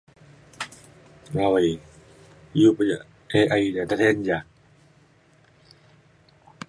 awai iu pa ja AI ida [unintelligible] ja